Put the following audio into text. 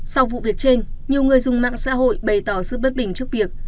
sau vụ việc trên nhiều người dùng mạng xã hội bày tỏ sự bất bình trước việc